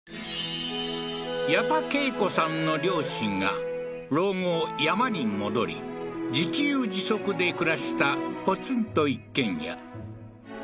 矢田恵子さんの両親が老後山に戻り自給自足で暮らしたポツンと一軒家